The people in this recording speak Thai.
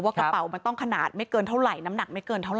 กระเป๋ามันต้องขนาดไม่เกินเท่าไหร่น้ำหนักไม่เกินเท่าไ